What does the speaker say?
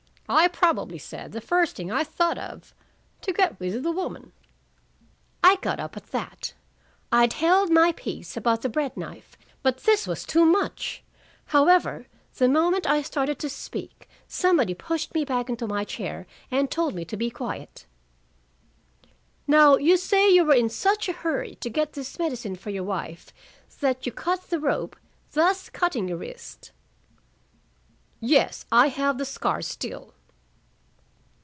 I probably said the first thing I thought of to get rid of the woman." I got up at that. I'd held my peace about the bread knife, but this was too much. However, the moment I started to speak, somebody pushed me back into my chair and told me to be quiet. "Now, you say you were in such a hurry to get this medicine for your wife that you cut the rope, thus cutting your wrist." "Yes. I have the scar still."